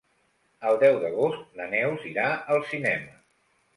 El deu d'agost na Neus irà al cinema.